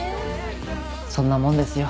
そんなもんですよ。